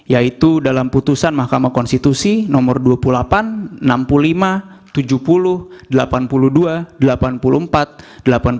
yaitu dalam putusan mahkamah konstitusi nomor dua puluh delapan php enam puluh lima php tujuh puluh php delapan puluh dua php delapan puluh empat php delapan puluh sembilan php dan delapan puluh php